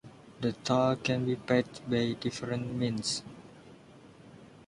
The toll can be paid by different means.